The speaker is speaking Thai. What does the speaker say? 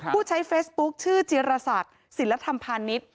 ผู้ใช้เฟซบุ๊คชื่อจิรษักศิลธรรมพาณิชย์